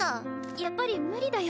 やっぱり無理だよ